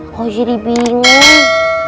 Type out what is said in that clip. aku jadi bingung